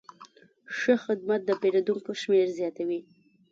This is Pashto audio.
ښه خدمت د پیرودونکو شمېر زیاتوي.